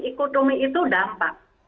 ekonomi itu dampak